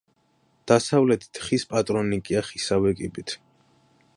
დასავლეთით ხის პატრონიკეა ხისავე კიბით.